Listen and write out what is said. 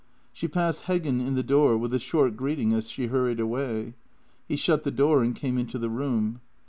She passed Heggen in the door with a short greeting as she hurried away. He shut the door and came into the room.